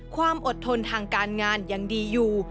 ความอดทนทางการงานยังดีอยู่